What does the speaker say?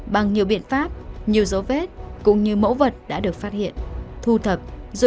bằng nhiều biện pháp nhiều dấu vết cũng như mẫu vật đã được phát hiện thu thập